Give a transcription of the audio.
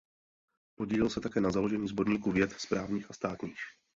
Podílel se také na založení "Sborníku věd právních a státních".